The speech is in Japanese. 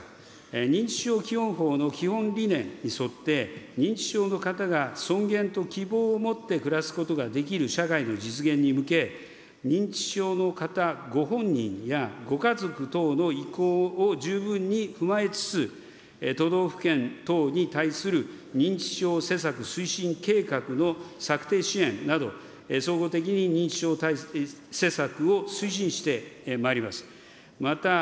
認知症基本法の基本理念に沿って、認知症の方が尊厳と希望を持って暮らすことができる社会の実現に向け、認知症の方ご本人や、ご家族等の意向を十分に踏まえつつ、都道府県等に対する認知症施策推進計画の策定支援など、総合的に認知症施策を推進してまいります。